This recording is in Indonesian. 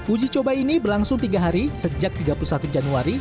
uji coba ini berlangsung tiga hari sejak tiga puluh satu januari